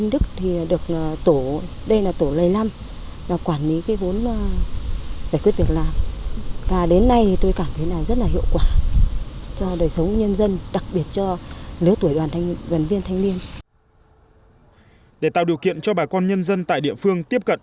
để tạo điều kiện cho bà con nhân dân tại địa phương tiếp cận